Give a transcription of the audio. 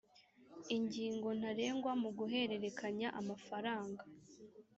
ingingo ntarengwa mu guhererekanya amafaranga